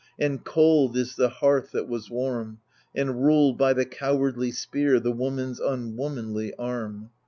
and cold is the hearth that was warm, And ruled by the cowardly spear, the woman's un womanly arm.